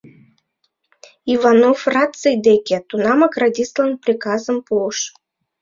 — Иванов, раций деке! — тунамак радистлан приказым пуыш.